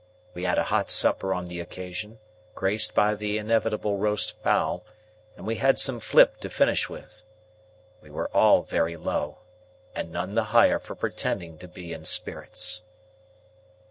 We had a hot supper on the occasion, graced by the inevitable roast fowl, and we had some flip to finish with. We were all very low, and none the higher for pretending to be in spirits.